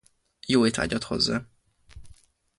Jó étvágyat hozzá!